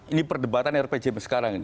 ini perdebatan rpjmn sekarang